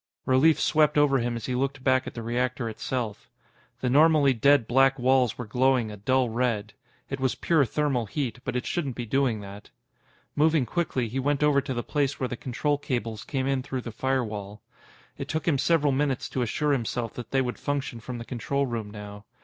Relief swept over him as he looked back at the reactor itself. The normally dead black walls were glowing a dull red. It was pure thermal heat, but it shouldn't be doing that. Moving quickly, he went over to the place where the control cables came in through the firewall. It took him several minutes to assure himself that they would function from the control room now.